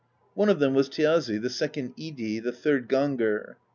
One of them was Thjazi, the second Idi, the third Gangr.